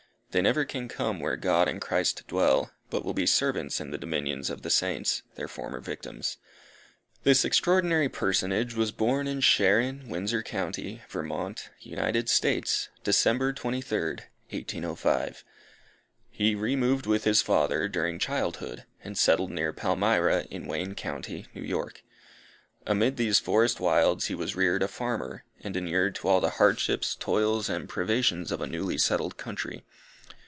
They never can come where God and Christ dwell, but will be servants in the dominions of the Saints, their former victims. This extraordinary personage was born in Sharon, Windsor County, Vermont, United States, December 23rd, 1805. He removed with his father, during childhood, and settled near Palmyra, in Wayne County, New York. Amid these forest wilds he was reared a farmer, and inured to all the hardships, toils, and privations of a newly settled country.